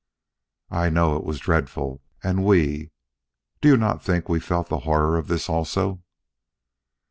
"I know it was dreadful and we! Do you not think we felt the horror of this also?"